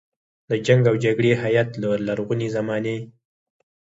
د جنګ او جګړې هیت له لرغونې زمانې.